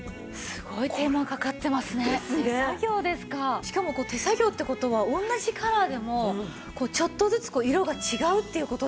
しかも手作業って事は同じカラーでもちょっとずつ色が違うっていう事ですもんね。